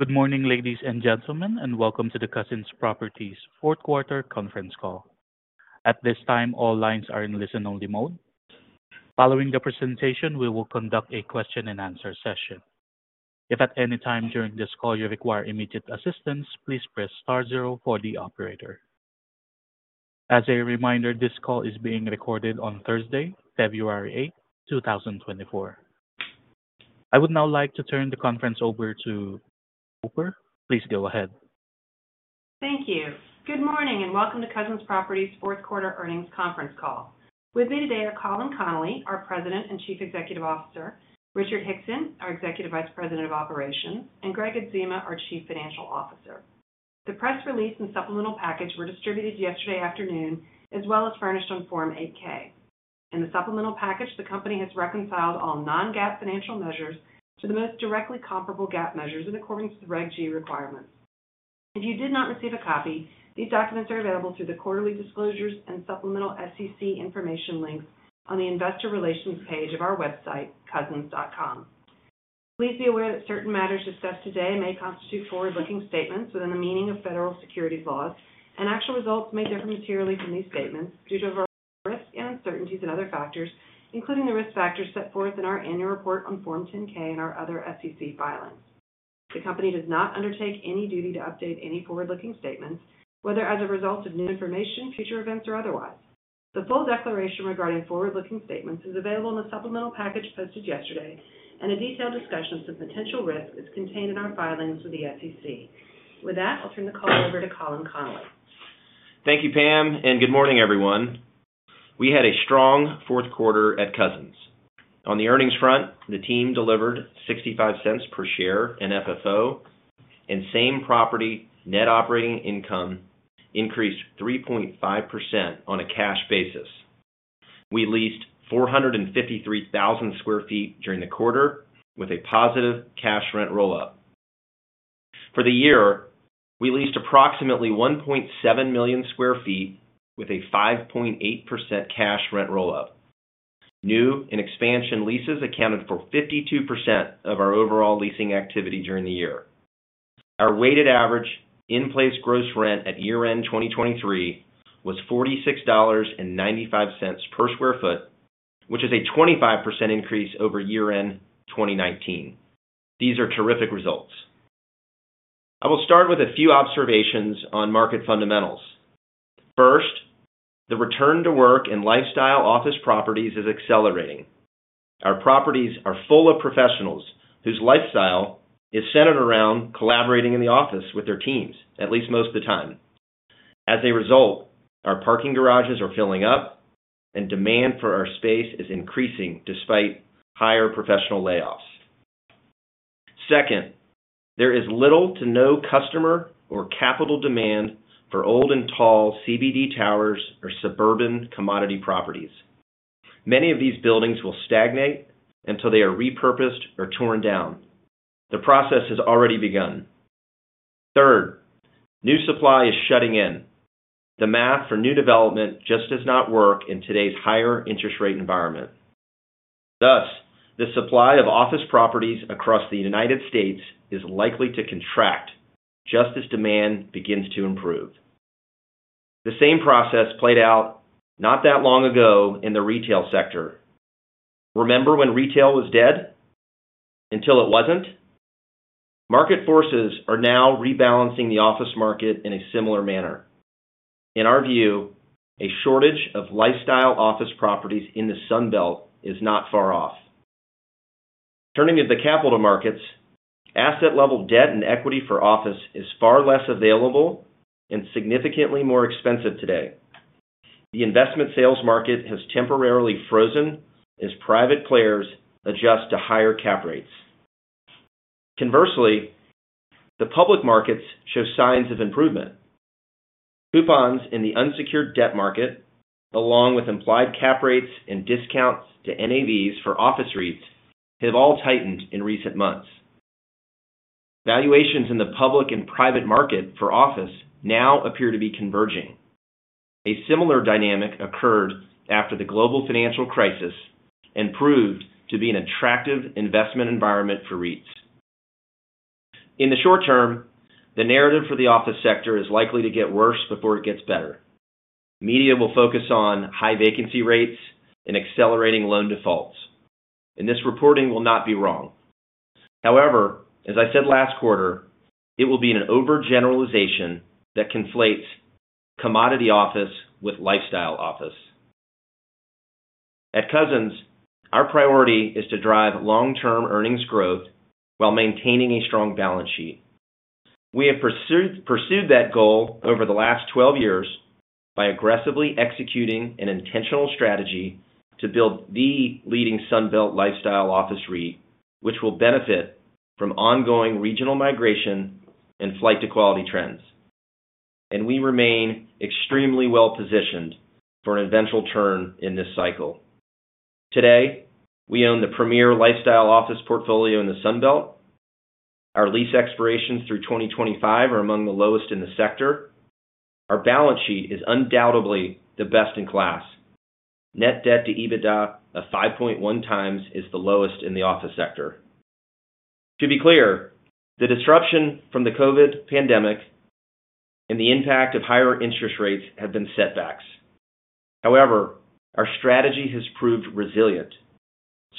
Good morning, ladies and gentlemen, and welcome to the Cousins Properties' Fourth Quarter Conference Call. At this time, all lines are in listen-only mode. Following the presentation, we will conduct a question and answer session. If at any time during this call you require immediate assistance, please press star zero for the operator. As a reminder, this call is being recorded on Thursday, February 8th, 2024. I would now like to turn the conference over to Roper. Please go ahead. Thank you. Good morning, and welcome to Cousins Properties' Fourth Quarter Earnings Conference Call. With me today are Colin Connolly, our President and Chief Executive Officer, Richard Hickson, our Executive Vice President of Operations, and Gregg Adzema, our Chief Financial Officer. The press release and supplemental package were distributed yesterday afternoon, as well as furnished on Form 8-K. In the supplemental package, the company has reconciled all non-GAAP financial measures to the most directly comparable GAAP measures in accordance with Reg G requirements. If you did not receive a copy, these documents are available through the Quarterly Disclosures and Supplemental SEC information links on the Investor Relations page of our website, cousins.com. Please be aware that certain matters discussed today may constitute forward-looking statements within the meaning of federal securities laws, and actual results may differ materially from these statements due to various risks, and uncertainties, and other factors, including the risk factors set forth in our annual report on Form 10-K and our other SEC filings. The company does not undertake any duty to update any forward-looking statements, whether as a result of new information, future events, or otherwise. The full declaration regarding forward-looking statements is available in the supplemental package posted yesterday, and a detailed discussion of the potential risks is contained in our filings with the SEC. With that, I'll turn the call over to Colin Connolly. Thank you, Pam, and good morning, everyone. We had a strong fourth quarter at Cousins. On the earnings front, the team delivered $0.65 per share in FFO, and same-property net operating income increased 3.5% on a cash basis. We leased 453,000 sq ft during the quarter with a positive cash rent rollout. For the year, we leased approximately 1.7 million sq ft with a 5.8% cash rent rollout. New and expansion leases accounted for 52% of our overall leasing activity during the year. Our weighted average in-place gross rent at year-end 2023 was $46.95 per sq ft, which is a 25% increase over year-end 2019. These are terrific results. I will start with a few observations on market fundamentals. First, the return to work in lifestyle office properties is accelerating. Our properties are full of professionals whose lifestyle is centered around collaborating in the office with their teams, at least most of the time. As a result, our parking garages are filling up, and demand for our space is increasing despite higher professional layoffs. Second, there is little to no customer or capital demand for old and tall CBD towers or suburban commodity properties. Many of these buildings will stagnate until they are repurposed or torn down. The process has already begun. Third, new supply is shutting in. The math for new development just does not work in today's higher interest rate environment. Thus, the supply of office properties across the United States is likely to contract, just as demand begins to improve. The same process played out not that long ago in the retail sector. Remember when retail was dead? Until it wasn't. Market forces are now rebalancing the office market in a similar manner. In our view, a shortage of lifestyle office properties in the Sun Belt is not far off. Turning to the capital markets, asset-level debt and equity for office is far less available and significantly more expensive today. The investment sales market has temporarily frozen as private players adjust to higher cap rates. Conversely, the public markets show signs of improvement. Coupons in the unsecured debt market, along with implied cap rates and discounts to NAVs for office REITs, have all tightened in recent months. Valuations in the public and private market for office now appear to be converging. A similar dynamic occurred after the global financial crisis and proved to be an attractive investment environment for REITs. In the short term, the narrative for the office sector is likely to get worse before it gets better. Media will focus on high vacancy rates and accelerating loan defaults, and this reporting will not be wrong. However, as I said last quarter, it will be an overgeneralization that conflates commodity office with lifestyle office. At Cousins, our priority is to drive long-term earnings growth while maintaining a strong balance sheet. We have pursued that goal over the last 12 years by aggressively executing an intentional strategy to build the leading Sun Belt lifestyle office REIT, which will benefit from ongoing regional migration and flight to quality trends. We remain extremely well-positioned for an eventual turn in this cycle. Today, we own the premier lifestyle office portfolio in the Sun Belt. Our lease expirations through 2025 are among the lowest in the sector. Our balance sheet is undoubtedly the best in class. Net debt to EBITDA of 5.1x is the lowest in the office sector. To be clear, the disruption from the COVID pandemic and the impact of higher interest rates have been setbacks. However, our strategy has proved resilient.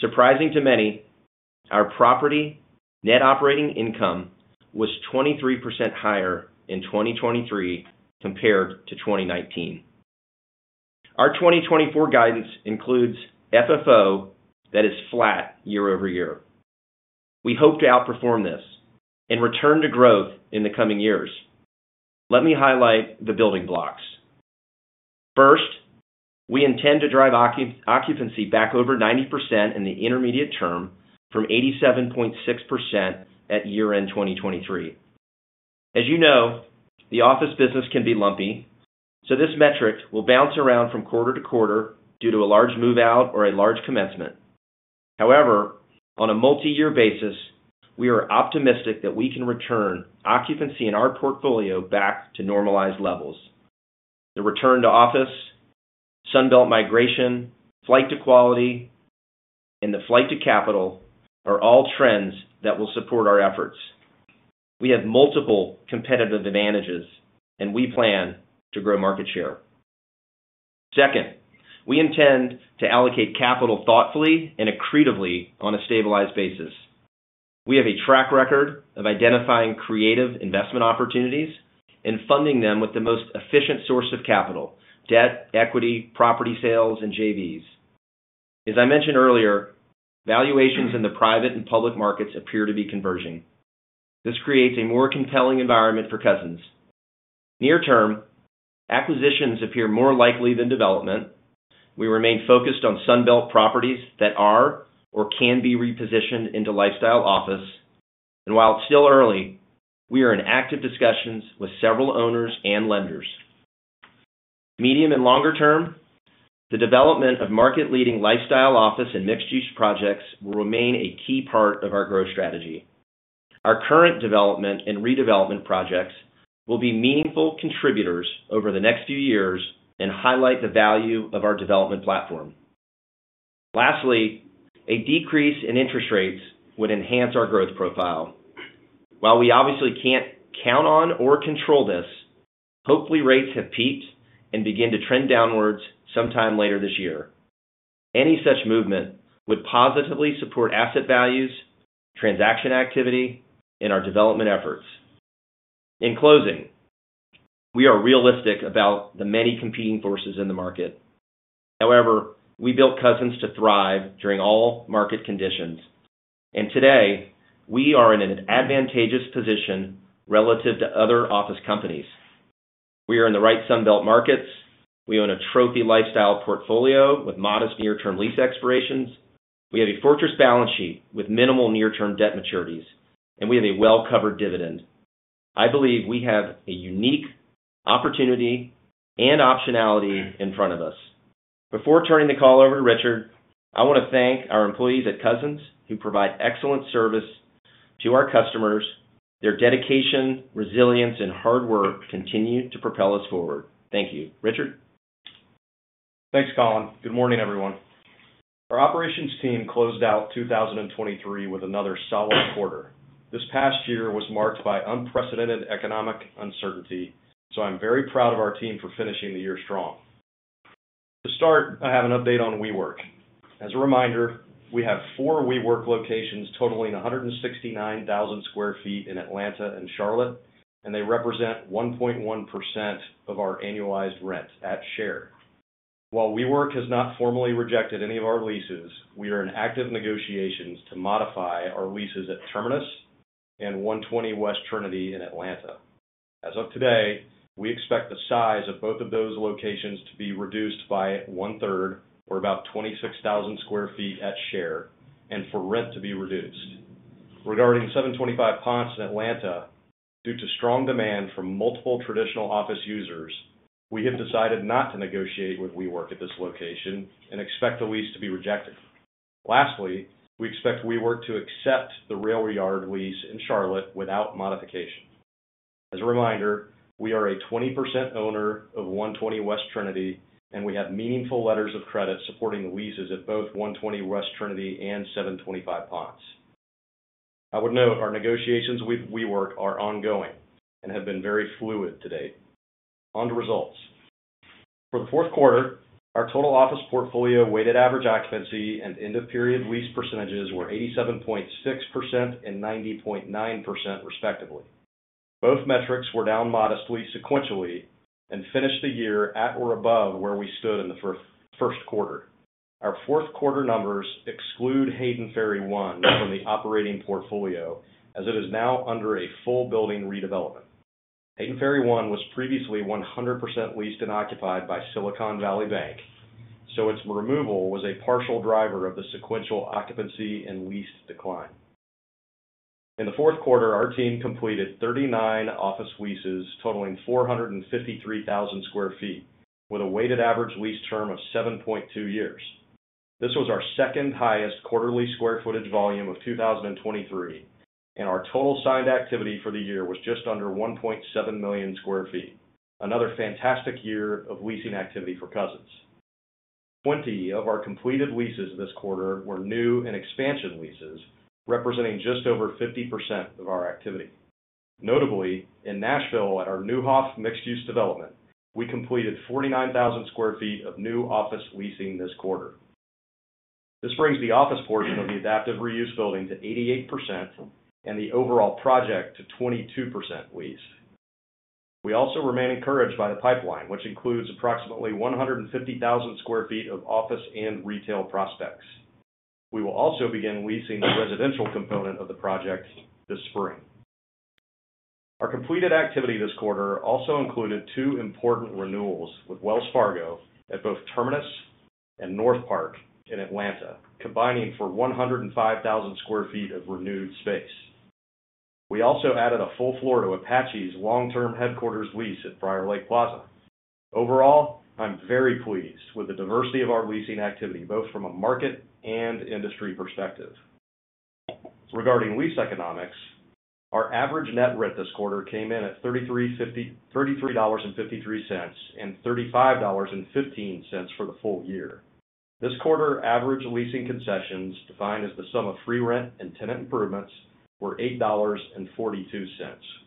Surprising to many, our property net operating income was 23% higher in 2023 compared to 2019. Our 2024 guidance includes FFO that is flat year-over-year. We hope to outperform this and return to growth in the coming years. Let me highlight the building blocks. First, we intend to drive occupancy back over 90% in the intermediate term, from 87.6% at year-end 2023. As you know, the office business can be lumpy, so this metric will bounce around from quarter-to-quarter due to a large move-out or a large commencement. However, on a multi-year basis, we are optimistic that we can return occupancy in our portfolio back to normalized levels. The return to office, Sun Belt migration, flight to quality, and the flight to capital are all trends that will support our efforts. We have multiple competitive advantages, and we plan to grow market share. Second, we intend to allocate capital thoughtfully and accretively on a stabilized basis. We have a track record of identifying creative investment opportunities and funding them with the most efficient source of capital: debt, equity, property sales, and JVs. As I mentioned earlier, valuations in the private and public markets appear to be converging. This creates a more compelling environment for Cousins. Near term, acquisitions appear more likely than development. We remain focused on Sun Belt properties that are or can be repositioned into lifestyle office, and while it's still early, we are in active discussions with several owners and lenders. Medium and longer term, the development of market-leading lifestyle office and mixed-use projects will remain a key part of our growth strategy. Our current development and redevelopment projects will be meaningful contributors over the next few years and highlight the value of our development platform. Lastly, a decrease in interest rates would enhance our growth profile. While we obviously can't count on or control this, hopefully, rates have peaked and begin to trend downwards sometime later this year. Any such movement would positively support asset values, transaction activity, and our development efforts. In closing, we are realistic about the many competing forces in the market. However, we built Cousins to thrive during all market conditions, and today, we are in an advantageous position relative to other office companies. We are in the right Sun Belt markets. We own a trophy lifestyle portfolio with modest near-term lease expirations. We have a fortress balance sheet with minimal near-term debt maturities, and we have a well-covered dividend. I believe we have a unique opportunity and optionality in front of us. Before turning the call over to Richard, I want to thank our employees at Cousins, who provide excellent service to our customers. Their dedication, resilience, and hard work continue to propel us forward. Thank you. Richard? Thanks, Colin. Good morning, everyone. Our operations team closed out 2023 with another solid quarter. This past year was marked by unprecedented economic uncertainty, so I'm very proud of our team for finishing the year strong. To start, I have an update on WeWork. As a reminder, we have four WeWork locations totaling 169,000 sq ft in Atlanta and Charlotte, and they represent 1.1% of our annualized rent at share. While WeWork has not formally rejected any of our leases, we are in active negotiations to modify our leases at Terminus and 120 West Trinity in Atlanta. As of today, we expect the size of both of those locations to be reduced by one third or about 26,000 sq ft at Share, and for rent to be reduced. Regarding 725 Ponce in Atlanta, due to strong demand from multiple traditional office users, we have decided not to negotiate with WeWork at this location and expect the lease to be rejected. Lastly, we expect WeWork to accept the RailYard lease in Charlotte without modification. As a reminder, we are a 20% owner of 120 West Trinity, and we have meaningful letters of credit supporting leases at both 120 West Trinity and 725 Ponce. I would note our negotiations with WeWork are ongoing and have been very fluid to date. On to results. For the fourth quarter, our total office portfolio, weighted average occupancy and end of period lease percentages were 87.6% and 90.9%, respectively. Both metrics were down modestly, sequentially, and finished the year at or above where we stood in the first quarter. Our fourth quarter numbers exclude Hayden Ferry One from the operating portfolio, as it is now under a full building redevelopment. Hayden Ferry One was previously 100% leased and occupied by Silicon Valley Bank, so its removal was a partial driver of the sequential occupancy and lease decline. In the fourth quarter, our team completed 39 office leases, totaling 453,000 sq ft, with a weighted average lease term of 7.2 years. This was our second highest quarterly square footage volume of 2023, and our total signed activity for the year was just under 1.7 million sq ft. Another fantastic year of leasing activity for Cousins. 20 of our completed leases this quarter were new and expansion leases, representing just over 50% of our activity. Notably, in Nashville, at our Neuhoff mixed-use development, we completed 49,000 sq ft of new office leasing this quarter. This brings the office portion of the adaptive reuse building to 88% and the overall project to 22% lease. We also remain encouraged by the pipeline, which includes approximately 150,000 sq ft of office and retail prospects. We will also begin leasing the residential component of the project this spring. Our completed activity this quarter also included two important renewals, with Wells Fargo at both Terminus and NorthPark in Atlanta, combining for 105,000 sq ft of renewed space. We also added a full floor to Apache's long-term headquarters lease at Briarlake Plaza. Overall, I'm very pleased with the diversity of our leasing activity, both from a market and industry perspective. Regarding lease economics, our average net rent this quarter came in at $33.53, and $35.15 for the full year. This quarter, average leasing concessions, defined as the sum of free rent and tenant improvements, were $8.42,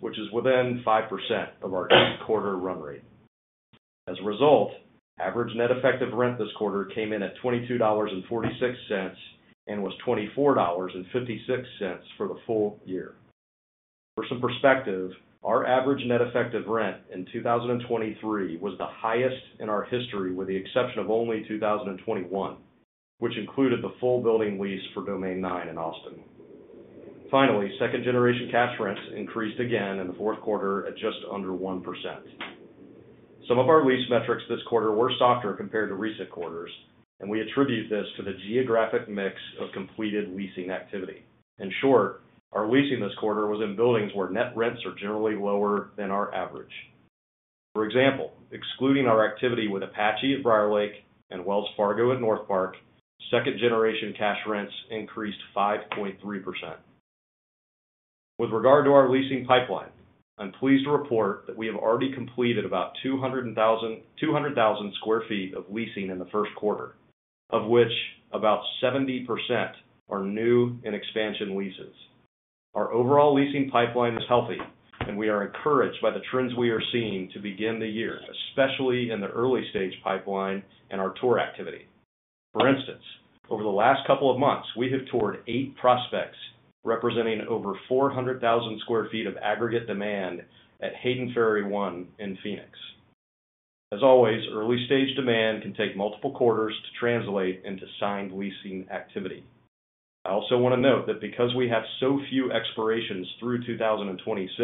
which is within 5% of our 8-quarter run rate. As a result, average net effective rent this quarter came in at $22.46 and was $24.56 for the full year. For some perspective, our average net effective rent in 2023 was the highest in our history, with the exception of only 2021, which included the full building lease for Domain Nine in Austin. Finally, second-generation cash rents increased again in the fourth quarter at just under 1%. Some of our lease metrics this quarter were softer compared to recent quarters, and we attribute this to the geographic mix of completed leasing activity. In short, our leasing this quarter was in buildings where net rents are generally lower than our average. For example, excluding our activity with Apache at Briarlake and Wells Fargo at NorthPark, second-generation cash rents increased 5.3%. With regard to our leasing pipeline, I'm pleased to report that we have already completed about 200,000 sq ft of leasing in the first quarter, of which about 70% are new and expansion leases. Our overall leasing pipeline is healthy, and we are encouraged by the trends we are seeing to begin the year, especially in the early stage pipeline and our tour activity. For instance, over the last couple of months, we have toured eight prospects representing over 400,000 sq ft of aggregate demand at Hayden Ferry One in Phoenix. As always, early-stage demand can take multiple quarters to translate into signed leasing activity. I also want to note that because we have so few expirations through 2026,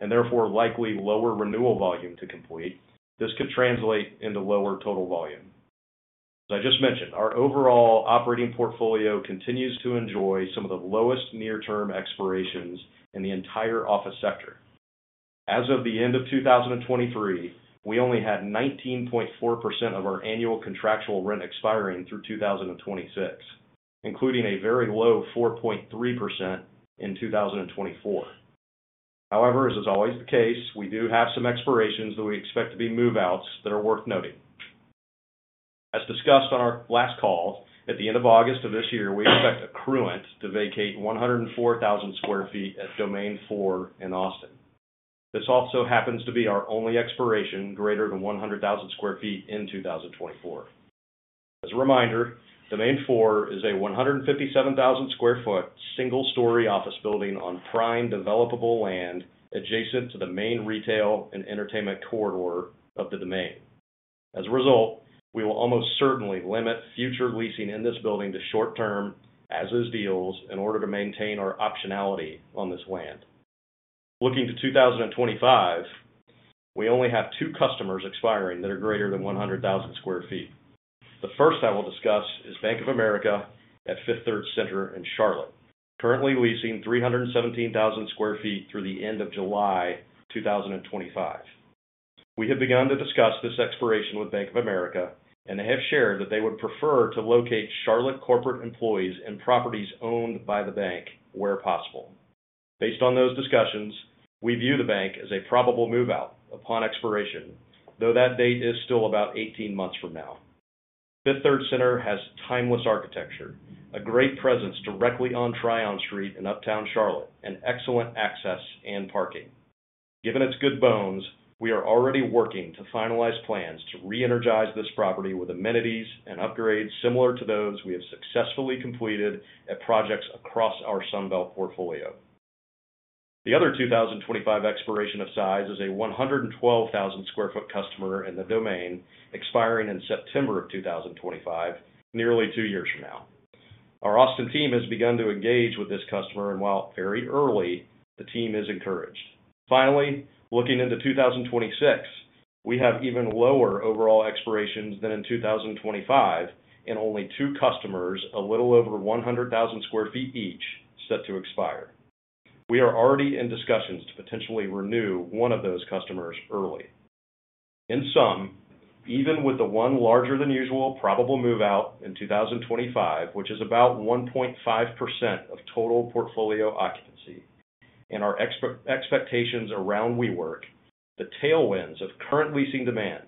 and therefore likely lower renewal volume to complete, this could translate into lower total volume. As I just mentioned, our overall operating portfolio continues to enjoy some of the lowest near-term expirations in the entire office sector. As of the end of 2023, we only had 19.4% of our annual contractual rent expiring through 2026, including a very low 4.3% in 2024. However, as is always the case, we do have some expirations that we expect to be move-outs that are worth noting. As discussed on our last call, at the end of August of this year, we expect Accruent to vacate 104,000 sq ft at Domain Four in Austin. This also happens to be our only expiration greater than 100,000 sq ft in 2024. As a reminder, Domain Four is a 157,000 sq ft, single-story office building on prime, developable land adjacent to the main retail and entertainment corridor of The Domain. As a result, we will almost certainly limit future leasing in this building to short term, as is, deals in order to maintain our optionality on this land. Looking to 2025, we only have two customers expiring that are greater than 100,000 sq ft. The first I will discuss is Bank of America at Fifth Third Center in Charlotte, currently leasing 317,000 sq ft through the end of July 2025. We have begun to discuss this expiration with Bank of America, and they have shared that they would prefer to locate Charlotte corporate employees in properties owned by the bank where possible. Based on those discussions, we view the bank as a probable move-out upon expiration, though that date is still about 18 months from now. Fifth Third Center has timeless architecture, a great presence directly on Tryon Street in Uptown Charlotte, and excellent access and parking. Given its good bones, we are already working to finalize plans to reenergize this property with amenities and upgrades similar to those we have successfully completed at projects across our Sun Belt portfolio. The other 2025 expiration of size is a 112,000 sq ft customer in the Domain, expiring in September 2025, nearly two years from now. Our Austin team has begun to engage with this customer, and while very early, the team is encouraged. Finally, looking into 2026, we have even lower overall expirations than in 2025 and only two customers, a little over 100,000 sq ft each, set to expire. We are already in discussions to potentially renew one of those customers early. In sum, even with the one larger than usual probable move out in 2025, which is about 1.5% of total portfolio occupancy, and our expectations around WeWork, the tailwinds of current leasing demand,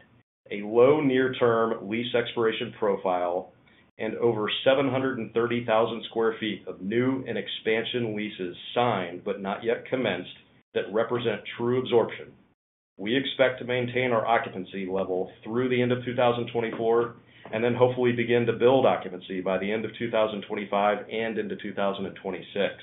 a low near-term lease expiration profile, and over 730,000 sq ft of new and expansion leases signed, but not yet commenced, that represent true absorption. We expect to maintain our occupancy level through the end of 2024, and then hopefully begin to build occupancy by the end of 2025 and into 2026.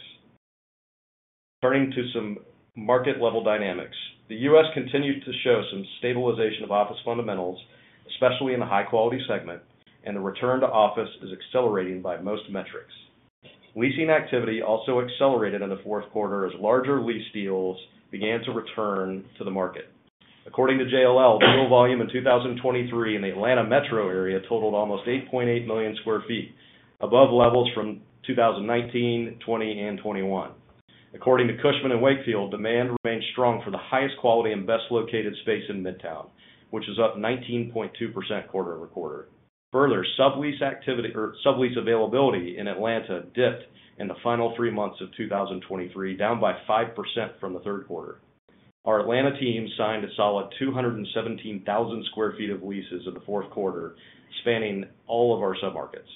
Turning to some market level dynamics. The U.S. continued to show some stabilization of office fundamentals, especially in the high quality segment, and the return to office is accelerating by most metrics. Leasing activity also accelerated in the fourth quarter as larger lease deals began to return to the market. According to JLL, total volume in 2023 in the Atlanta metro area totaled almost 8.8 million sq ft, above levels from 2019, 2020, and 2021. According to Cushman & Wakefield, demand remains strong for the highest quality and best located space in Midtown, which is up 19.2% quarter-over-quarter. Further, sublease activity, or sublease availability in Atlanta dipped in the final three months of 2023, down by 5% from the third quarter. Our Atlanta team signed a solid 217,000 sq ft of leases in the fourth quarter, spanning all of our submarkets.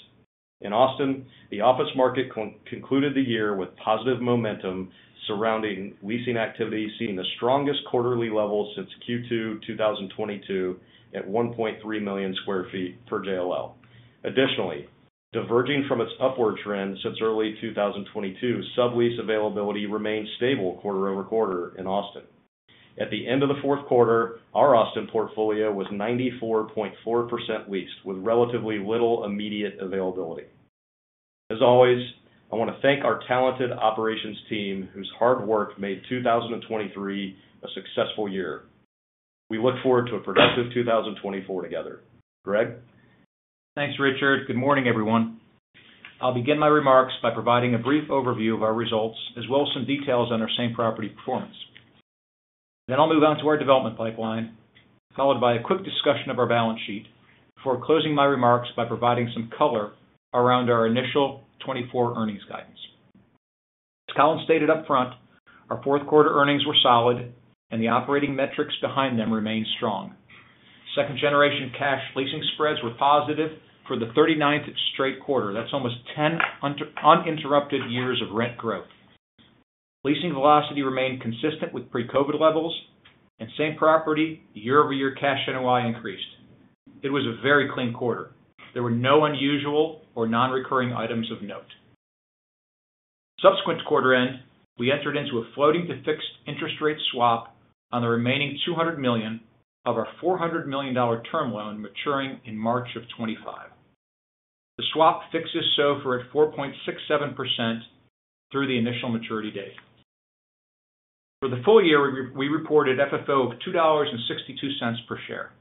In Austin, the office market concluded the year with positive momentum surrounding leasing activity, seeing the strongest quarterly level since Q2 2022, at 1.3 million sq ft per JLL. Additionally, diverging from its upward trend since early 2022, sublease availability remained stable quarter-over-quarter in Austin. At the end of the fourth quarter, our Austin portfolio was 94.4% leased, with relatively little immediate availability. As always, I want to thank our talented operations team, whose hard work made 2023 a successful year. We look forward to a productive 2024 together. Greg? Thanks, Richard. Good morning, everyone. I'll begin my remarks by providing a brief overview of our results, as well as some details on our same-property performance. Then I'll move on to our development pipeline, followed by a quick discussion of our balance sheet, before closing my remarks by providing some color around our initial 2024 earnings guidance. As Colin stated up front, our fourth quarter earnings were solid, and the operating metrics behind them remained strong. Second generation cash leasing spreads were positive for the 39th straight quarter. That's almost 10 uninterrupted years of rent growth. Leasing velocity remained consistent with pre-COVID levels, and same-property, year-over-year cash NOI increased. It was a very clean quarter. There were no unusual or non-recurring items of note. Subsequent quarter end, we entered into a floating to fixed interest rate swap on the remaining $200 million of our $400 million term loan maturing in March 2025. The swap fixes SOFR at 4.67% through the initial maturity date. For the full year, we reported FFO of $2.62 per share.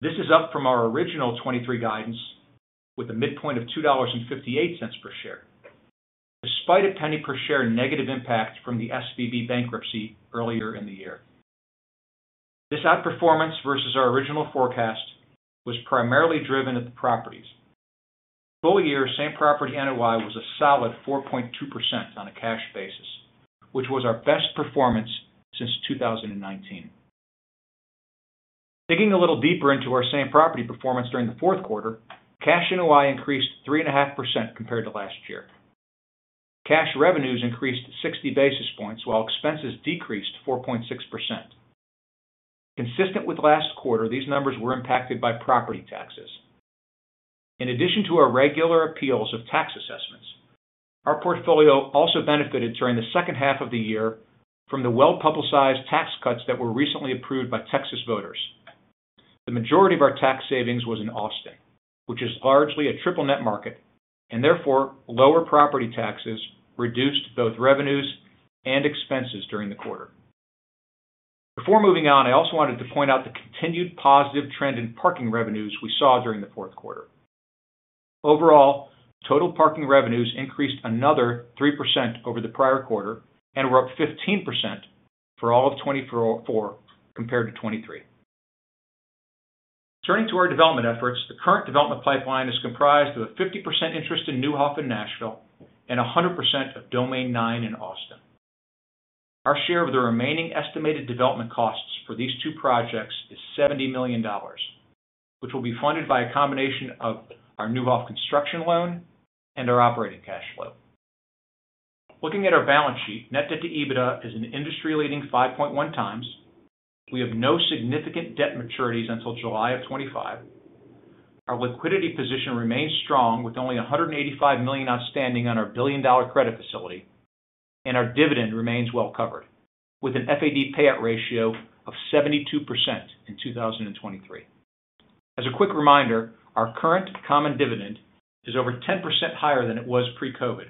This is up from our original 2023 guidance, with a midpoint of $2.58 per share. Despite a $0.01 per share negative impact from the SVB bankruptcy earlier in the year. This outperformance versus our original forecast was primarily driven at the properties. Full year, same property NOI was a solid 4.2% on a cash basis, which was our best performance since 2019. Digging a little deeper into our same property performance during the fourth quarter, cash NOI increased 3.5% compared to last year. Cash revenues increased 60 basis points, while expenses decreased 4.6%. Consistent with last quarter, these numbers were impacted by property taxes. In addition to our regular appeals of tax assessments, our portfolio also benefited during the second half of the year from the well-publicized tax cuts that were recently approved by Texas voters. The majority of our tax savings was in Austin, which is largely a triple net market, and therefore, lower property taxes reduced both revenues and expenses during the quarter. Before moving on, I also wanted to point out the continued positive trend in parking revenues we saw during the fourth quarter. Overall, total parking revenues increased another 3% over the prior quarter and were up 15% for all of 2024 compared to 2023. Turning to our development efforts, the current development pipeline is comprised of a 50% interest in Neuhoff in Nashville and 100% of Domain Nine in Austin. Our share of the remaining estimated development costs for these two projects is $70 million, which will be funded by a combination of our Neuhoff construction loan and our operating cash flow. Looking at our balance sheet, net debt to EBITDA is an industry-leading 5.1x. We have no significant debt maturities until July of 2025. Our liquidity position remains strong, with only $185 million outstanding on our billion-dollar credit facility, and our dividend remains well covered, with an FAD payout ratio of 72% in 2023. As a quick reminder, our current common dividend is over 10% higher than it was pre-COVID.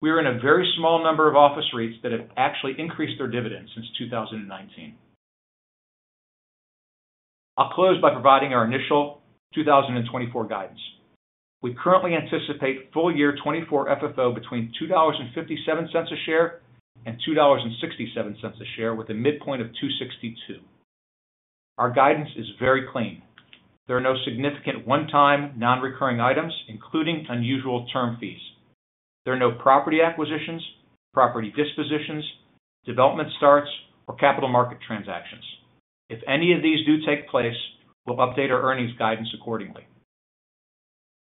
We are in a very small number of office REITs that have actually increased their dividends since 2019. I'll close by providing our initial 2024 guidance. We currently anticipate full year 2024 FFO between $2.57 a share and $2.67 a share, with a midpoint of $2.62. Our guidance is very clean. There are no significant one-time, non-recurring items, including unusual term fees. There are no property acquisitions, property dispositions, development starts, or capital market transactions. If any of these do take place, we'll update our earnings guidance accordingly.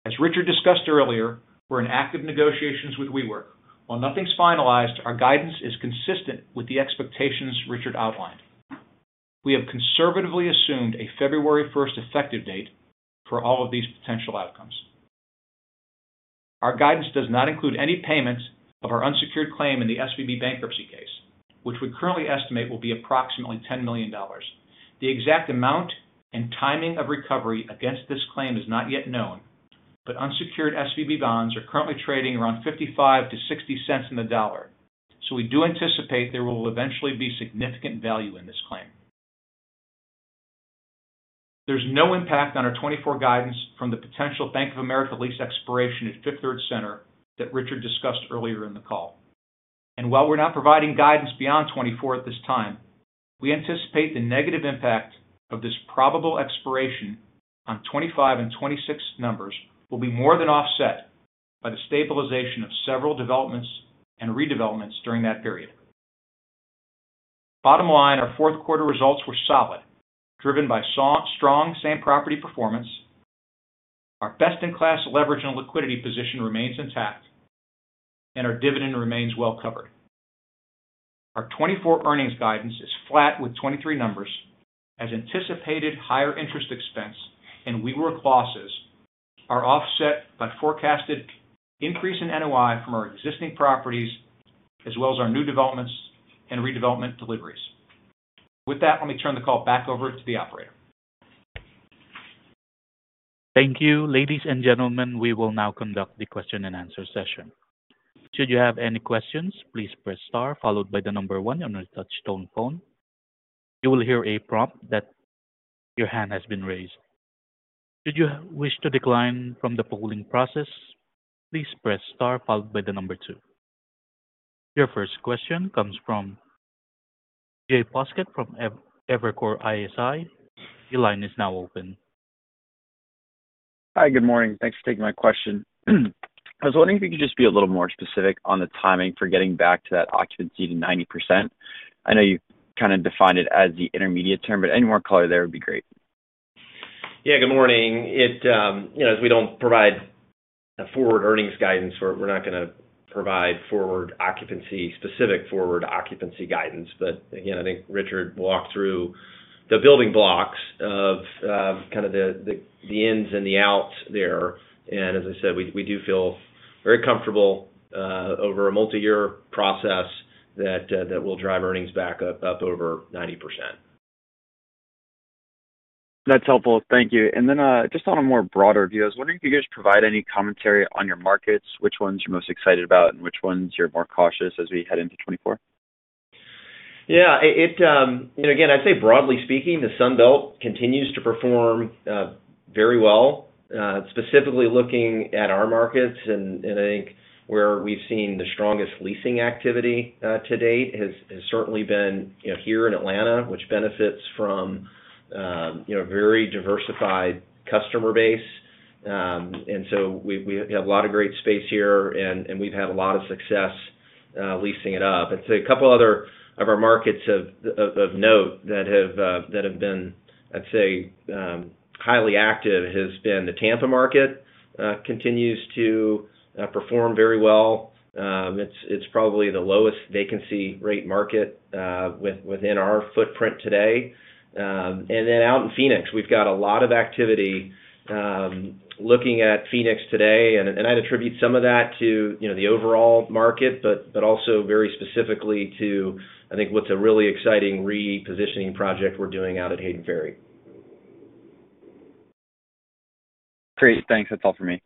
As Richard discussed earlier, we're in active negotiations with WeWork. While nothing's finalized, our guidance is consistent with the expectations Richard outlined. We have conservatively assumed a February 1st effective date for all of these potential outcomes. Our guidance does not include any payments of our unsecured claim in the SVB bankruptcy case, which we currently estimate will be approximately $10 million. The exact amount and timing of recovery against this claim is not yet known, but unsecured SVB bonds are currently trading around $0.55-$0.60 on the dollar. So we do anticipate there will eventually be significant value in this claim. There's no impact on our 2024 guidance from the potential Bank of America lease expiration at Fifth Third Center that Richard discussed earlier in the call. While we're not providing guidance beyond 2024 at this time, we anticipate the negative impact of this probable expiration on 2025 and 2026 numbers will be more than offset by the stabilization of several developments and redevelopments during that period. Bottom line, our fourth quarter results were solid, driven by strong same-property performance. Our best-in-class leverage and liquidity position remains intact, and our dividend remains well covered. Our 2024 earnings guidance is flat, with 2023 numbers as anticipated higher interest expense, and WeWork losses are offset by forecasted increase in NOI from our existing properties, as well as our new developments and redevelopment deliveries. With that, let me turn the call back over to the operator. Thank you. Ladies and gentlemen, we will now conduct the question and answer session. Should you have any questions, please press star followed by the number one on your touch tone phone. You will hear a prompt that your hand has been raised. Should you wish to decline from the polling process, please press star followed by the number two. Your first question comes from Jay Poskitt from Evercore ISI. Your line is now open. Hi, good morning. Thanks for taking my question. I was wondering if you could just be a little more specific on the timing for getting back to that occupancy to 90%. I know you kind of defined it as the intermediate term, but any more color there would be great. Yeah, good morning. It, you know, as we don't provide a forward earnings guidance, we're, we're not gonna provide forward occupancy-specific forward occupancy guidance. But again, I think Richard walked through the building blocks of, kind of the, the, the ins and the outs there. And as I said, we, we do feel very comfortable, over a multi-year process that, that will drive earnings back up, up over 90%. That's helpful. Thank you. And then, just on a more broader view, I was wondering if you guys provide any commentary on your markets, which ones you're most excited about and which ones you're more cautious as we head into 2024. Yeah... And again, I'd say broadly speaking, the Sun Belt continues to perform very well. Specifically looking at our markets, and I think where we've seen the strongest leasing activity to date has certainly been, you know, here in Atlanta, which benefits from you know, very diversified customer base. And so we have a lot of great space here, and we've had a lot of success leasing it up. I'd say a couple other of our markets of note that have been, I'd say, highly active has been the Tampa market, continues to perform very well. It's probably the lowest vacancy rate market within our footprint today. And then out in Phoenix, we've got a lot of activity looking at Phoenix today. And I'd attribute some of that to, you know, the overall market, but also very specifically to, I think, what's a really exciting repositioning project we're doing out at Hayden Ferry. Great. Thanks. That's all for me.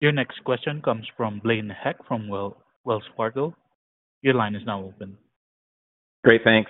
Your next question comes from Blaine Heck, from Wells Fargo. Your line is now open. Great. Thanks.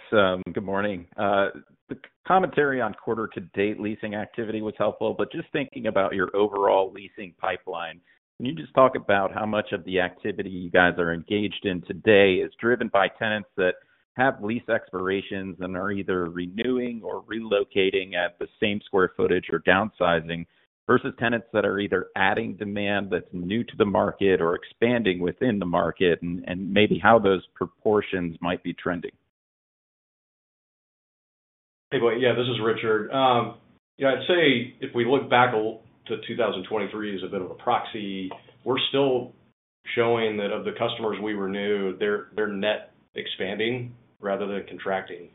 Good morning. The commentary on quarter-to-date leasing activity was helpful, but just thinking about your overall leasing pipeline, can you just talk about how much of the activity you guys are engaged in today is driven by tenants that have lease expirations and are either renewing or relocating at the same square footage or downsizing, versus tenants that are either adding demand that's new to the market or expanding within the market, and, and maybe how those proportions might be trending? Hey, Blaine. Yeah, this is Richard. Yeah, I'd say if we look back to 2023 as a bit of a proxy, we're still showing that of the customers we renew, they're net expanding rather than contracting.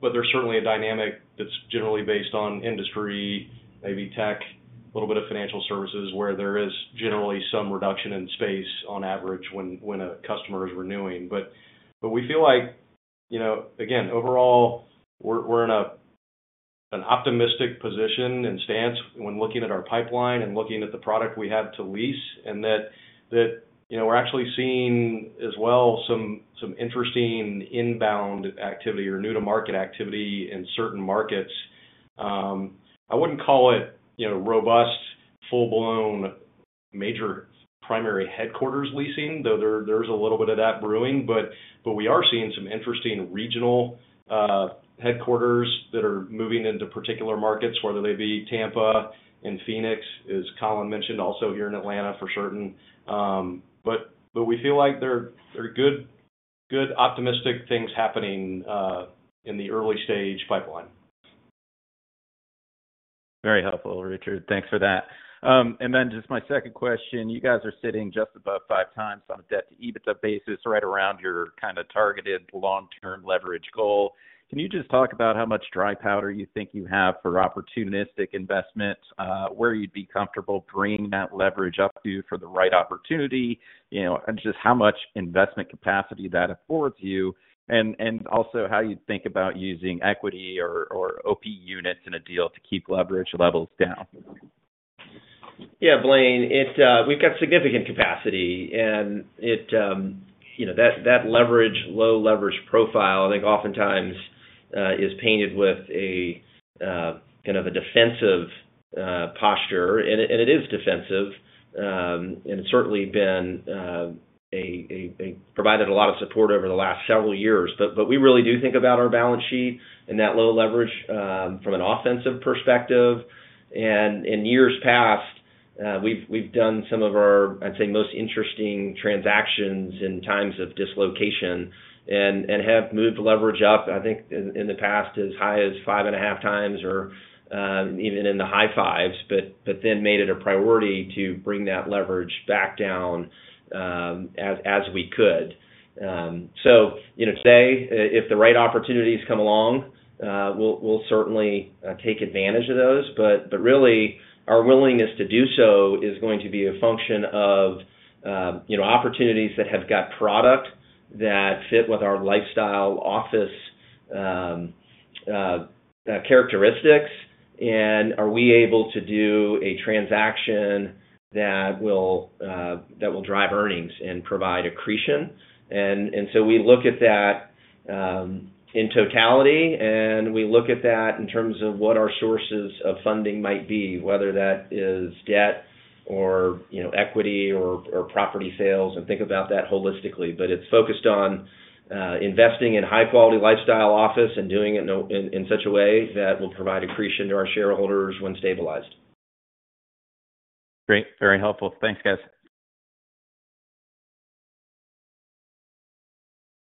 But there's certainly a dynamic that's generally based on industry, maybe tech, a little bit of financial services, where there is generally some reduction in space on average when a customer is renewing. But we feel like, you know, again, overall, we're in an optimistic position and stance when looking at our pipeline and looking at the product we have to lease, and that, you know, we're actually seeing as well some interesting inbound activity or new to market activity in certain markets. I wouldn't call it, you know, robust, full-blown,... major primary headquarters leasing, though there, there's a little bit of that brewing. But, but we are seeing some interesting regional headquarters that are moving into particular markets, whether they be Tampa and Phoenix, as Colin mentioned, also here in Atlanta, for certain. But, but we feel like there are good, good, optimistic things happening in the early stage pipeline. Very helpful, Richard. Thanks for that. And then just my second question: You guys are sitting just above 5x on a debt-to-EBITDA basis, right around your kind of targeted long-term leverage goal. Can you just talk about how much dry powder you think you have for opportunistic investment, where you'd be comfortable bringing that leverage up to for the right opportunity? You know, and just how much investment capacity that affords you, and, and also how you think about using equity or, or OP units in a deal to keep leverage levels down. Yeah, Blaine, it's we've got significant capacity, and it you know, that that leverage low leverage profile, I think, oftentimes, is painted with a kind of a defensive posture, and it and it is defensive. And it's certainly been provided a lot of support over the last several years. But we really do think about our balance sheet and that low leverage from an offensive perspective. And in years past, we've done some of our, I'd say, most interesting transactions in times of dislocation and have moved leverage up, I think, in the past, as high as 5.5x or even in the high 5s, but then made it a priority to bring that leverage back down, as we could. So, you know, today, if the right opportunities come along, we'll, we'll certainly take advantage of those. But, but really, our willingness to do so is going to be a function of, you know, opportunities that have got product that fit with our lifestyle office characteristics. And are we able to do a transaction that will, that will drive earnings and provide accretion? And, and so we look at that, in totality, and we look at that in terms of what our sources of funding might be, whether that is debt or, you know, equity or, or property sales, and think about that holistically. But it's focused on, investing in high-quality lifestyle office and doing it in, in such a way that will provide accretion to our shareholders when stabilized. Great. Very helpful. Thanks, guys.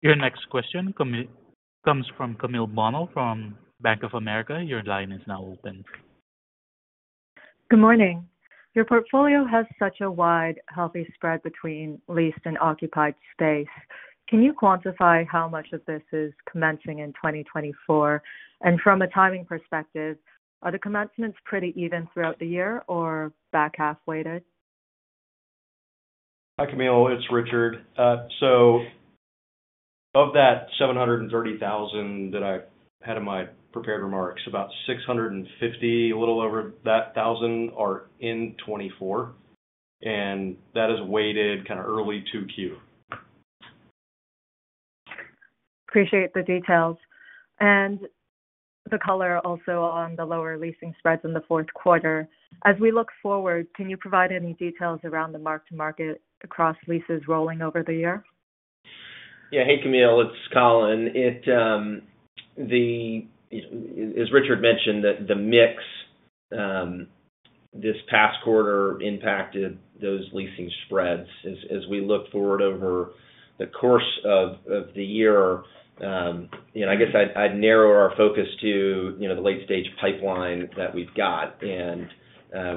Your next question comes from Camille Bonnel from Bank of America. Your line is now open. Good morning. Your portfolio has such a wide, healthy spread between leased and occupied space. Can you quantify how much of this is commencing in 2024? And from a timing perspective, are the commencements pretty even throughout the year or back half-weighted? Hi, Camille, it's Richard. So of that 730,000 that I had in my prepared remarks, about 650, a little over that, thousand are in 2024, and that is weighted kind of early 2Q. Appreciate the details and the color also on the lower leasing spreads in the fourth quarter. As we look forward, can you provide any details around the mark-to-market across leases rolling over the year? Yeah. Hey, Camille, it's Colin. It, the, as Richard mentioned, the mix this past quarter impacted those leasing spreads. As we look forward over the course of the year, you know, I guess I'd narrow our focus to the late-stage pipeline that we've got and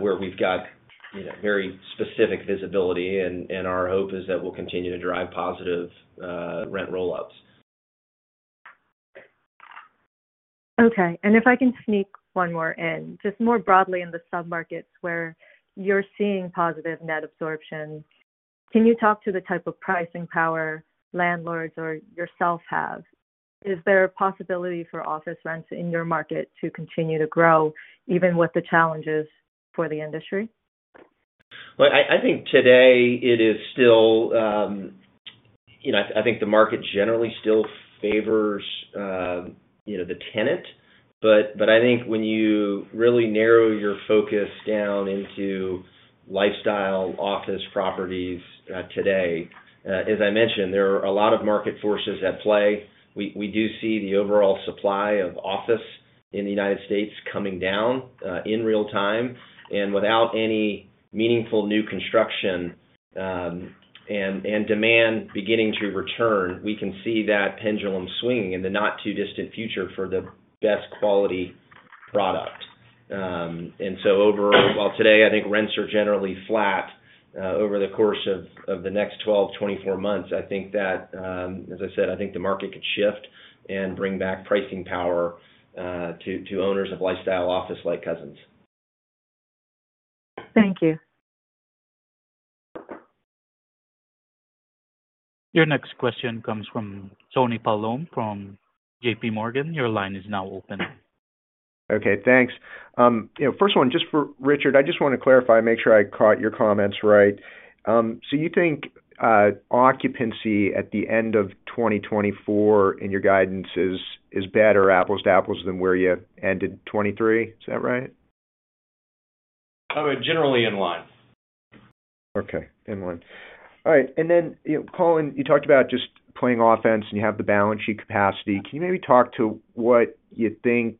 where we've got very specific visibility, and our hope is that we'll continue to drive positive rent roll-ups. Okay. And if I can sneak one more in. Just more broadly in the submarkets where you're seeing positive net absorption, can you talk to the type of pricing power landlords or yourself have? Is there a possibility for office rents in your market to continue to grow, even with the challenges for the industry? Well, I think today it is still, you know, I think the market generally still favors, you know, the tenant. But I think when you really narrow your focus down into lifestyle office properties, today, as I mentioned, there are a lot of market forces at play. We do see the overall supply of office in the United States coming down, in real time. And without any meaningful new construction, and demand beginning to return, we can see that pendulum swinging in the not-too-distant future for the best quality product. And so overall... While today, I think rents are generally flat, over the course of the next 12-24 months, I think that, as I said, I think the market could shift and bring back pricing power, to owners of lifestyle office like Cousins. Thank you. Your next question comes from Tony Paolone from JPMorgan. Your line is now open. Okay, thanks. You know, first one, just for Richard, I just want to clarify, make sure I caught your comments right. So you think, occupancy at the end of 2024 in your guidance is, is better, apples to apples, than where you ended 2023? Is that right? I would generally in line. Okay, in line. All right, and then, you know, Colin, you talked about just playing offense, and you have the balance sheet capacity. Can you maybe talk to what you think,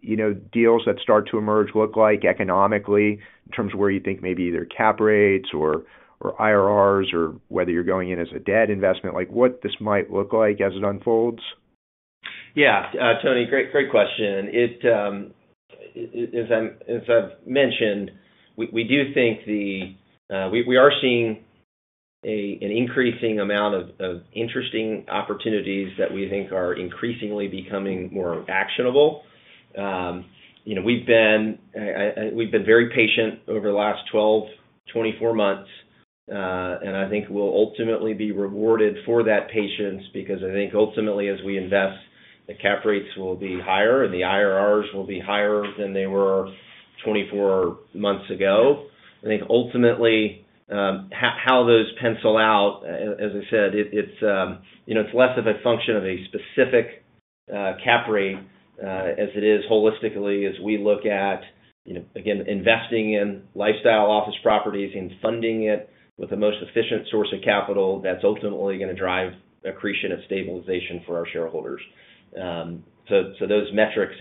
you know, deals that start to emerge look like economically, in terms of where you think maybe either cap rates or, or IRRs, or whether you're going in as a debt investment, like, what this might look like as it unfolds? Yeah, Tony, great, great question. It, as I've mentioned, we do think we are seeing an increasing amount of interesting opportunities that we think are increasingly becoming more actionable. You know, we've been very patient over the last 12-24 months, and I think we'll ultimately be rewarded for that patience, because I think ultimately, as we invest, the cap rates will be higher and the IRRs will be higher than they were 24 months ago. I think ultimately, how those pencil out, as I said, it's you know, it's less of a function of a specific cap rate as it is holistically as we look at, you know, again, investing in lifestyle office properties and funding it with the most efficient source of capital that's ultimately gonna drive accretion and stabilization for our shareholders. So those metrics,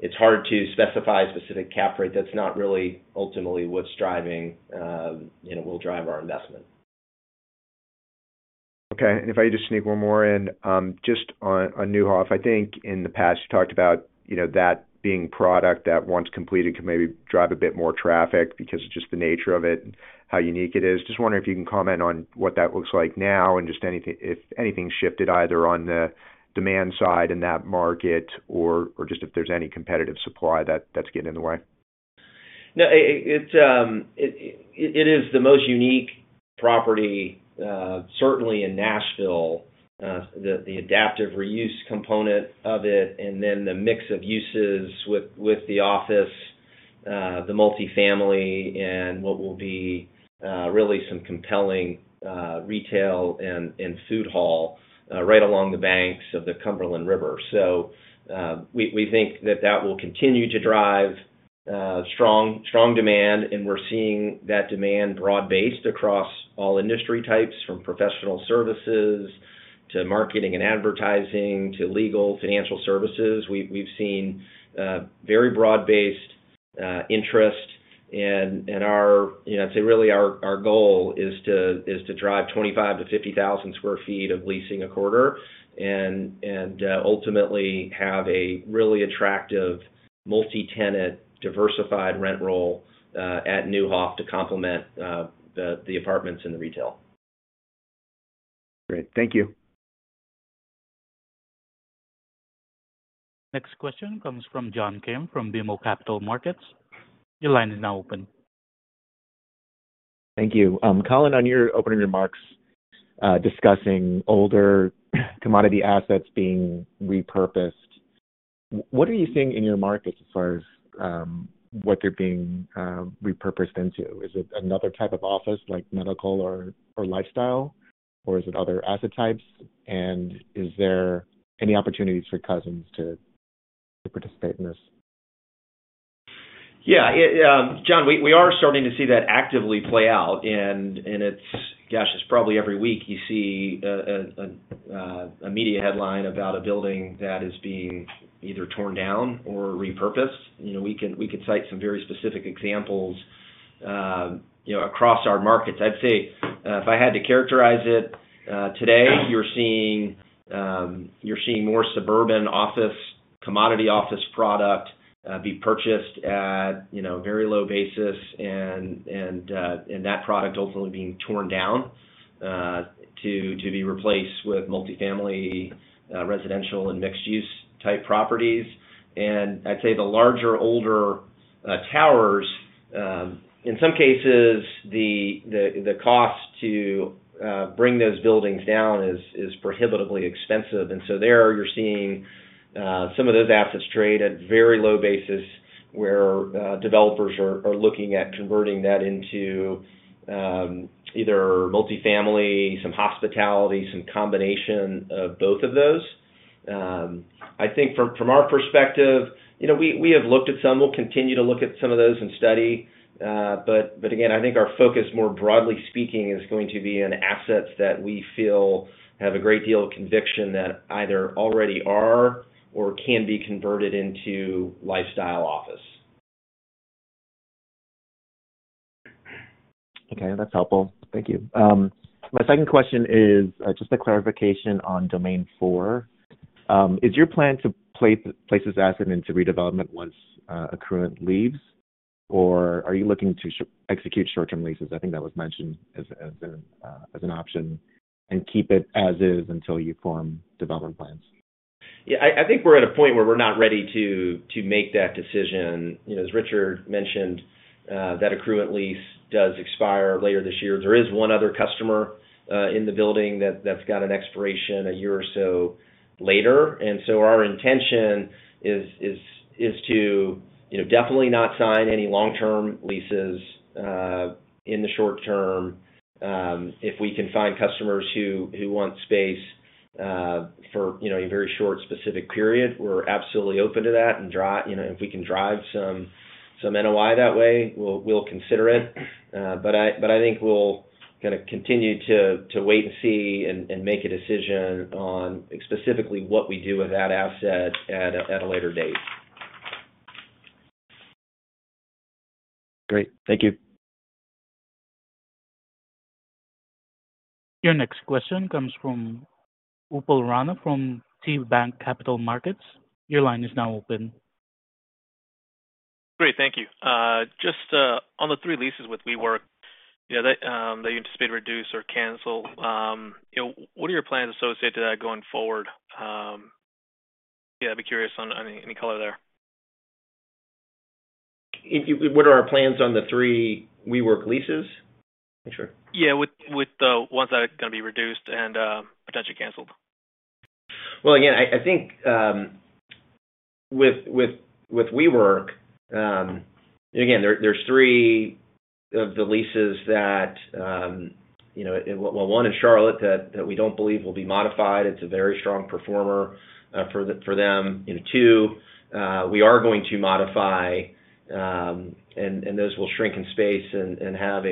it's hard to specify a specific cap rate. That's not really ultimately what's driving, you know, will drive our investment. Okay. And if I just sneak one more in, just on Neuhoff. I think in the past, you talked about, you know, that being product that, once completed, could maybe drive a bit more traffic because of just the nature of it and how unique it is. Just wondering if you can comment on what that looks like now and just anything - if anything shifted either on the demand side in that market or just if there's any competitive supply that that's getting in the way. No, it is the most unique property, certainly in Nashville. The adaptive reuse component of it, and then the mix of uses with the office, the multifamily, and what will be really some compelling retail and food hall right along the banks of the Cumberland River. So, we think that will continue to drive strong demand, and we're seeing that demand broad-based across all industry types, from professional services to marketing and advertising to legal, financial services. We've seen very broad-based interest. And our... You know, I'd say, really, our goal is to drive 25,000 sq ft-50,000 sq ft of leasing a quarter and ultimately have a really attractive multi-tenant, diversified rent roll at Neuhoff to complement the apartments and the retail. Great. Thank you. Next question comes from John Kim from BMO Capital Markets. Your line is now open. Thank you. Colin, on your opening remarks, discussing older commodity assets being repurposed, what are you seeing in your markets as far as what they're being repurposed into? Is it another type of office, like medical or lifestyle, or is it other asset types? And is there any opportunities for Cousins to participate in this? Yeah, John, we are starting to see that actively play out, and it's, gosh, it's probably every week you see a media headline about a building that is being either torn down or repurposed. You know, we can cite some very specific examples, you know, across our markets. I'd say, if I had to characterize it, today, you're seeing more suburban office, commodity office product be purchased at, you know, very low basis and that product ultimately being torn down, to be replaced with multifamily residential, and mixed-use type properties. And I'd say the larger, older towers, in some cases, the cost to bring those buildings down is prohibitively expensive. So there, you're seeing some of those assets trade at very low basis, where developers are looking at converting that into either multifamily, some hospitality, some combination of both of those. I think from our perspective, you know, we have looked at some. We'll continue to look at some of those and study, but again, I think our focus, more broadly speaking, is going to be on assets that we feel have a great deal of conviction that either already are or can be converted into lifestyle office. Okay, that's helpful. Thank you. My second question is just a clarification on Domain Four. Is your plan to place this asset into redevelopment once Accruent leaves, or are you looking to execute short-term leases? I think that was mentioned as an option, and keep it as is until you form development plans. Yeah, I think we're at a point where we're not ready to make that decision. You know, as Richard mentioned, that Accruent lease does expire later this year. There is one other customer in the building that's got an expiration a year or so later. And so our intention is to, you know, definitely not sign any long-term leases in the short term. If we can find customers who want space for, you know, a very short specific period, we're absolutely open to that. And you know, if we can drive some NOI that way, we'll consider it. But I think we'll kinda continue to wait and see, and make a decision on specifically what we do with that asset at a later date. Great. Thank you. Your next question comes from Upal Rana, from KeyBanc Capital Markets. Your line is now open. Great, thank you. Just, on the three leases with WeWork, yeah, they, they anticipate to reduce or cancel. You know, what are your plans associated to that going forward? Yeah, I'd be curious on any color there. What are our plans on the three WeWork leases? Sure. Yeah, with the ones that are gonna be reduced and potentially canceled. Well, again, I think with WeWork, again, there's three of the leases that, you know, well, one in Charlotte, that we don't believe will be modified. It's a very strong performer for them. And two, we are going to modify, and those will shrink in space and have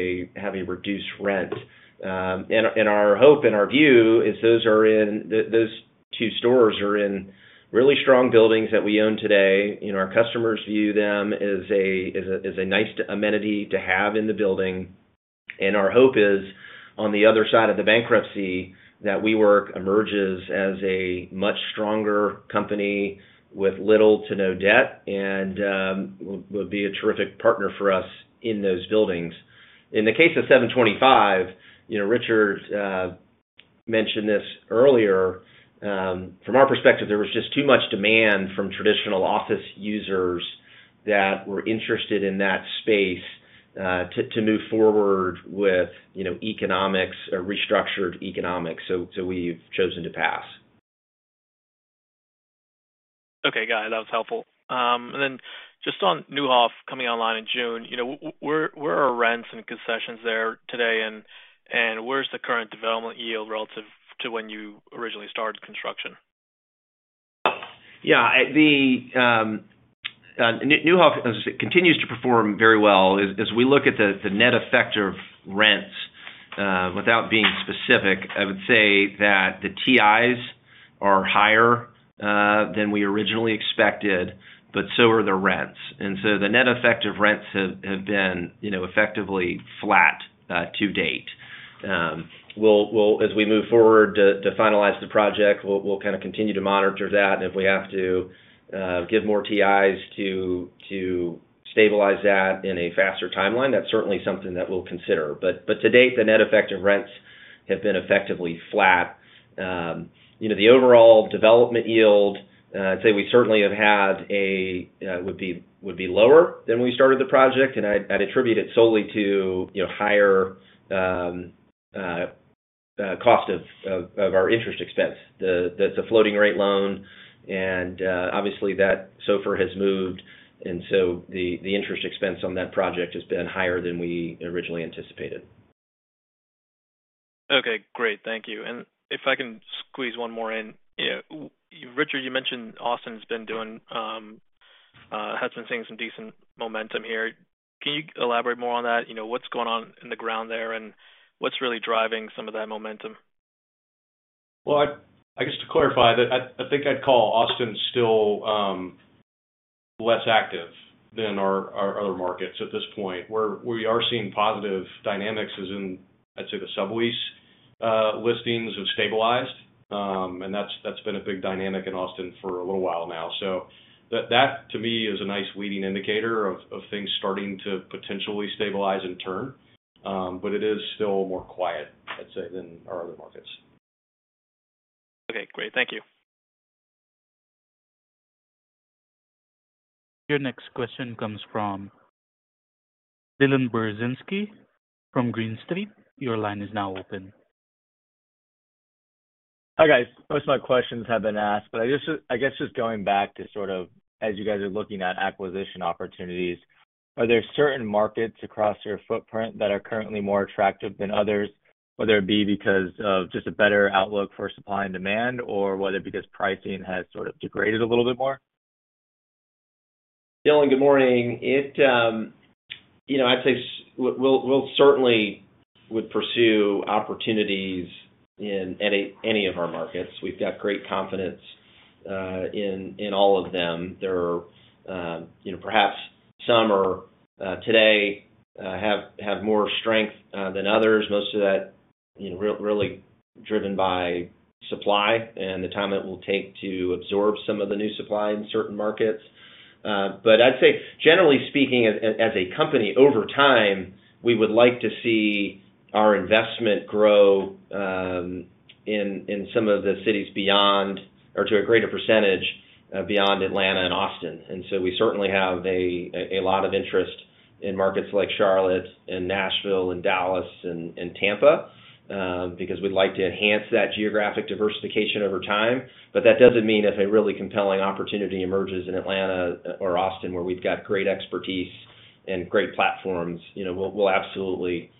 a reduced rent. And our hope and our view is those are in those two stores are in really strong buildings that we own today, you know, our customers view them as a nice amenity to have in the building. And our hope is, on the other side of the bankruptcy, that WeWork emerges as a much stronger company with little to no debt, and will be a terrific partner for us in those buildings. In the case of 725 Ponce, you know, Richard mentioned this earlier from our perspective, there was just too much demand from traditional office users that were interested in that space to move forward with, you know, economics or restructured economics. So we've chosen to pass. Okay, got it. That was helpful. And then just on Neuhoff coming online in June, you know, where are rents and concessions there today, and where's the current development yield relative to when you originally started construction? Yeah, the Neuhoff continues to perform very well. As we look at the net effect of rents, without being specific, I would say that the TIs are higher than we originally expected, but so are the rents. And so the net effect of rents have been, you know, effectively flat to date. We'll. As we move forward to finalize the project, we'll kind of continue to monitor that, and if we have to give more TIs to stabilize that in a faster timeline, that's certainly something that we'll consider. But to date, the net effect of rents have been effectively flat. You know, the overall development yield, I'd say would be lower than when we started the project, and I'd attribute it solely to, you know, higher cost of our interest expense. That's a floating rate loan, and obviously, that SOFR has moved, and so the interest expense on that project has been higher than we originally anticipated. Okay, great. Thank you. And if I can squeeze one more in. Yeah, Richard, you mentioned Austin's been doing, had been seeing some decent momentum here. Can you elaborate more on that? You know, what's going on in the ground there, and what's really driving some of that momentum? Well, I guess to clarify that, I think I'd call Austin still less active than our other markets at this point. Where we are seeing positive dynamics, as in, I'd say, the sublease listings have stabilized. And that's been a big dynamic in Austin for a little while now. So that, to me, is a nice leading indicator of things starting to potentially stabilize and turn. But it is still more quiet, I'd say, than our other markets. Okay, great. Thank you. Your next question comes from Dylan Burzinski from Green Street. Your line is now open. Hi, guys. Most of my questions have been asked, but I just, I guess, going back to sort of, as you guys are looking at acquisition opportunities, are there certain markets across your footprint that are currently more attractive than others, whether it be because of just a better outlook for supply and demand, or whether because pricing has sort of degraded a little bit more? Dylan, good morning. It, you know, I'd say we'll certainly would pursue opportunities in any of our markets. We've got great confidence in all of them. There are, you know, perhaps some are today have more strength than others. Most of that, you know, really driven by supply and the time it will take to absorb some of the new supply in certain markets. But I'd say, generally speaking, as a company, over time, we would like to see our investment grow in some of the cities beyond... or to a greater percentage beyond Atlanta and Austin. And so we certainly have a lot of interest in markets like Charlotte and Nashville and Dallas and Tampa because we'd like to enhance that geographic diversification over time. But that doesn't mean if a really compelling opportunity emerges in Atlanta or Austin, where we've got great expertise and great platforms, you know, we'll absolutely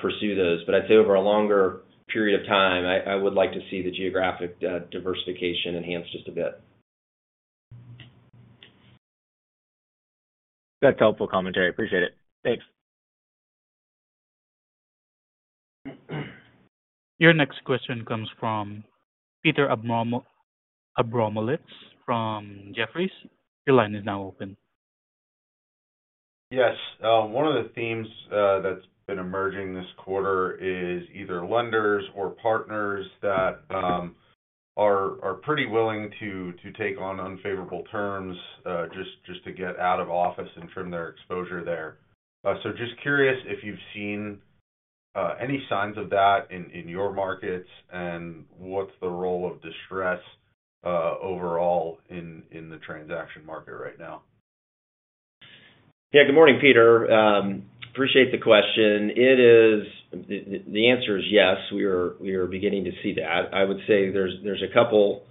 pursue those. But I'd say over a longer period of time, I would like to see the geographic diversification enhanced just a bit. That's helpful commentary. Appreciate it. Thanks. Your next question comes from Peter Abramowitz from Jefferies. Your line is now open. Yes. One of the themes that's been emerging this quarter is either lenders or partners that are pretty willing to take on unfavorable terms just to get out of office and trim their exposure there. So just curious if you've seen any signs of that in your markets, and what's the role of distress overall in the transaction market right now? Yeah. Good morning, Peter. Appreciate the question. It is the answer is yes. We are beginning to see that. I would say there's a couple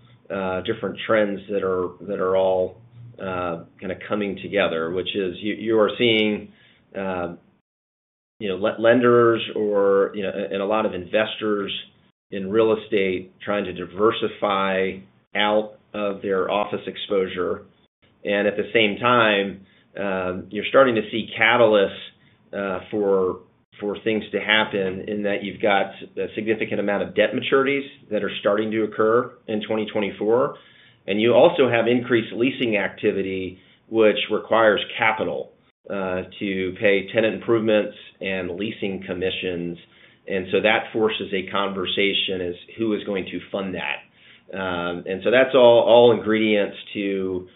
different trends that are all kinda coming together, which is you are seeing you know lenders or you know and a lot of investors in real estate trying to diversify out of their office exposure. And at the same time, you're starting to see catalysts for things to happen in that you've got a significant amount of debt maturities that are starting to occur in 2024. And you also have increased leasing activity, which requires capital to pay tenant improvements and leasing commissions, and so that forces a conversation as who is going to fund that. And so that's all ingredients to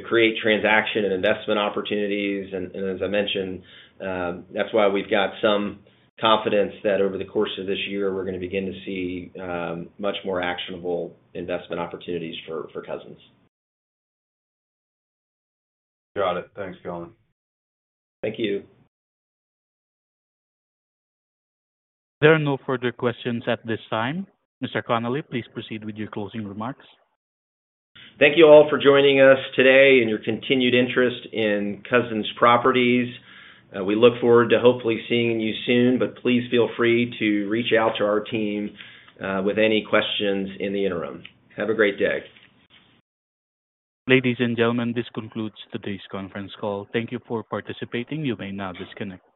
create transaction and investment opportunities. And as I mentioned, that's why we've got some confidence that over the course of this year, we're gonna begin to see much more actionable investment opportunities for Cousins. Got it. Thanks, Colin. Thank you. There are no further questions at this time. Mr. Connolly, please proceed with your closing remarks. Thank you all for joining us today and your continued interest in Cousins Properties. We look forward to hopefully seeing you soon, but please feel free to reach out to our team, with any questions in the interim. Have a great day. Ladies and gentlemen, this concludes today's conference call. Thank you for participating. You may now disconnect.